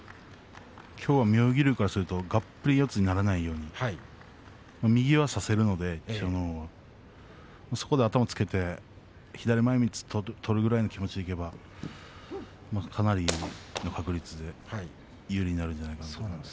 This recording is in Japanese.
きょうは妙義龍からしますと、がっぷり四つにならないように頭をつけて、左前みつを取るぐらいの気持ちでいけばかなりの確率で有利になるんじゃないかと思います。